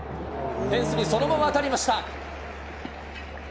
フェンスにそのまま当たりました。